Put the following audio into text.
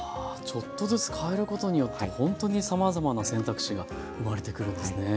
ちょっとずつ変えることによってほんとにさまざまな選択肢が生まれてくるんですね。